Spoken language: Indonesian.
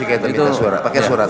itu pakai surat